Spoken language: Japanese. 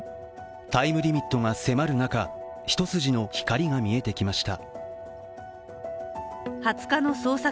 タイムリミットが迫る中、一筋の光が見えてきました。